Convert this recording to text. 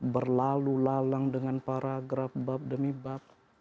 berlalu lalang dengan paragraf bab demi bab